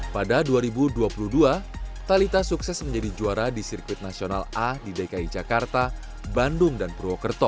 pada dua ribu dua puluh dua talitha sukses menjadi juara di sirkuit nasional a di dki jakarta bandung dan purwokerto